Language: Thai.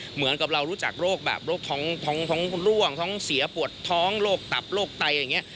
เหมือนกับเรารู้จักโรคแบบโรคท้องร่วงท้องเสียปวดท้องโรคตับโรคไตอย่างนี้